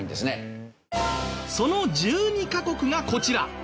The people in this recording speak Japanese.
その１２カ国がこちら。